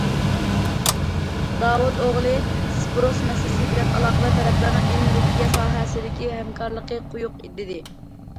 داۋۇت ئوغلى: سىپرۇس مەسىلىسى بىلەن ئالاقىدار تەرەپلەرنىڭ ئېنېرگىيە ساھەسىدىكى ھەمكارلىقى قويۇق دېدى.